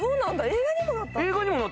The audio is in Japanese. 映画にもなったの？